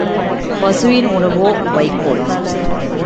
பசுவின் உணவோ வைக்கோல்.